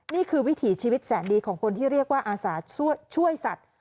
วิถีชีวิตแสนดีของคนที่เรียกว่าอาสาช่วยสัตว์